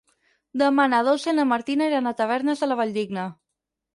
Demà na Dolça i na Martina iran a Tavernes de la Valldigna.